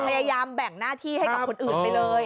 อย่าไปแบ่งน่าที่ให้กับคนอื่นไปเลย